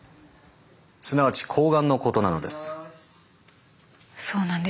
すなわちこうがんのことなのです。